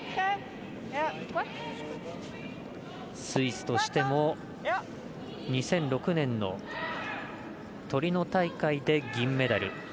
スイスとしても２００６年のトリノ大会で銀メダル。